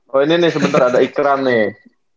oh ini nih sebentar ada ikram nih